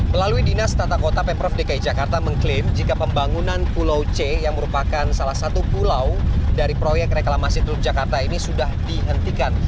melalui dinas tata kota pemprov dki jakarta mengklaim jika pembangunan pulau c yang merupakan salah satu pulau dari proyek reklamasi teluk jakarta ini sudah dihentikan